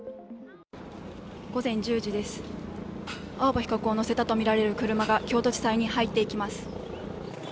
午前１０時です、青葉被告を乗せたとみられる車が京都地裁に入っていきます。